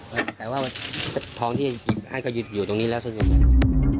คือว่าทองที่หยิบให้ก็หยิบอยู่ตรงนี้แล้วซึ่ง